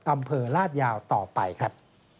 อำเภอลาดยาวต่อไปครับ